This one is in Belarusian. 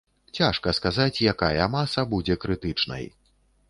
Цяжка сказаць, якая маса будзе крытычнай.